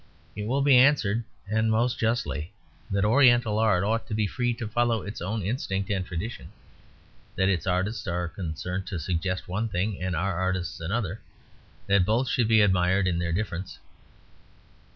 It will be answered (and most justly) that Oriental art ought to be free to follow its own instinct and tradition; that its artists are concerned to suggest one thing and our artists another; that both should be admired in their difference.